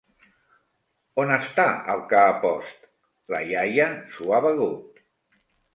On està el que ha post? La iaia s’ho ha begut.